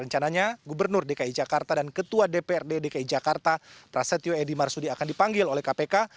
rencananya gubernur dki jakarta dan ketua dprd dki jakarta prasetyo edi marsudi akan dipanggil oleh kpk